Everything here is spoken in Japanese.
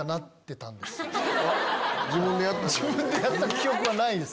自分でやった記憶はないです。